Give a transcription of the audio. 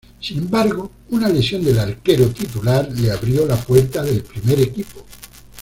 Sin embargo, una lesión del arquero titular le abrió la puerta del primer equipo.